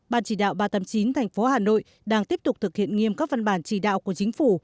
ban chỉ đạo ba trăm tám mươi chín tp hà nội đang tiếp tục thực hiện nghiêm các văn bản chỉ đạo của chính phủ